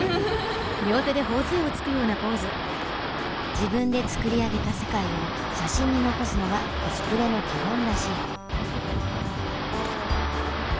自分で作り上げた世界を写真に残すのがコスプレの基本らしい。